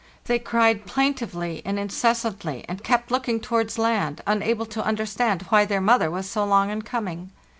They cried plaintively and incessantly, and kept looking towards land, unable to understand why their mother was so long in coming.